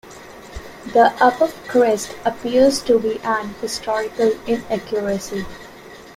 The above crest appears to be an historical inaccuaracy.